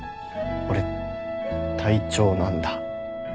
俺隊長なんだ。